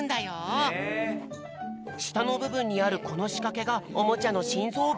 したのぶぶんにあるこのしかけがおもちゃのしんぞうぶ